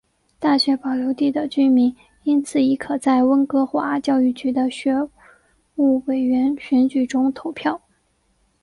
大学保留地的居民因此亦可在温哥华教育局的学务委员选举中投票。